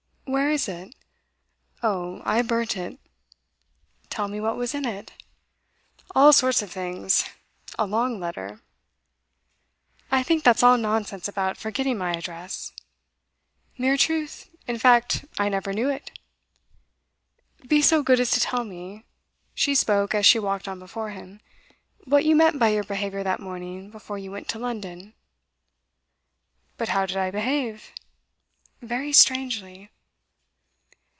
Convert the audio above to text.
'Where is it?' 'Oh, I burnt it.' 'Tell me what was in it.' 'All sorts of things a long letter.' 'I think that's all nonsense about forgetting my address.' 'Mere truth. In fact, I never knew it.' 'Be so good as to tell me,' she spoke as she walked on before him, 'what you meant by your behaviour that morning before you went to London.' 'But how did I behave?' 'Very strangely.